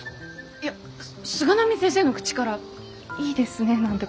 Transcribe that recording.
いや菅波先生の口からいいですねなんて